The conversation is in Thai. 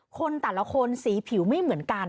คนแต่ละคนสีผิวไม่เหมือนกัน